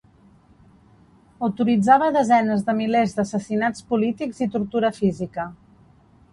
Autoritzava desenes de milers d'assassinats polítics i tortura física.